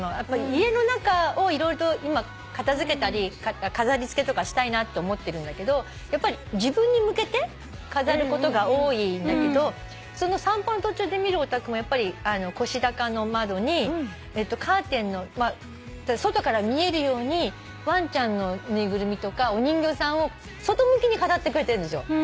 家の中を色々と今片付けたり飾り付けとかしたいなって思ってるんだけどやっぱり自分に向けて飾ることが多いんだけどその散歩の途中で見るお宅も腰高の窓にカーテンの外から見えるようにワンちゃんの縫いぐるみとかお人形さんを外向きに飾ってくれてるんですよ。